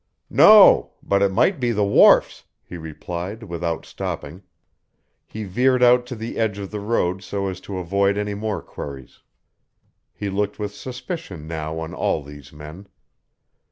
"No, but it might be the wharfs," he replied, without stopping. He veered out to the edge of the road so as to avoid any more queries. He looked with suspicion now on all these men.